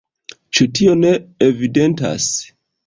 Ĉu tio ne evidentas?